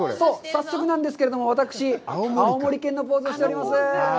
早速なんですけれども、私、青森県のポーズをしております。